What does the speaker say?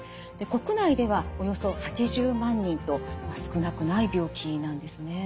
国内ではおよそ８０万人と少なくない病気なんですね。